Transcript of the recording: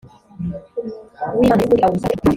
w imana y ukuri awushyira ku